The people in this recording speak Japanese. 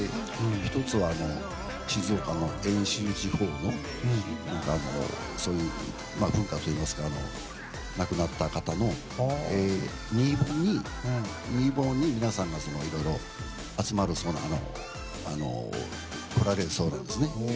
１つは静岡遠州地方にそういう文化といいますか亡くなった方の、新盆に皆さん、いろいろ来られるそうなんですね。